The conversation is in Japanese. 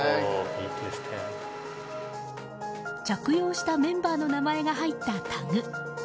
着用したメンバーの名前が入ったタグ。